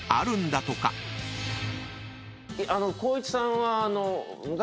光一さんは昔。